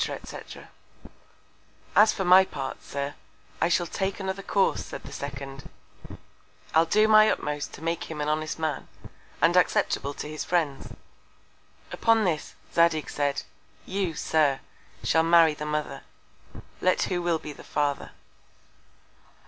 &c._ As for my Part, Sir, I shall take another Course, said the second; I'll do my utmost to make him an honest Man, and acceptable to his Friends. Upon this, Zadig said, you, Sir, shall marry the Mother, let who will be the Father.